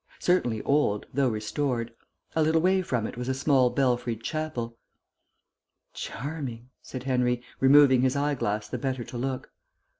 Certainly old, though restored. A little way from it was a small belfried chapel. "Charming," said Henry, removing his eyeglass the better to look.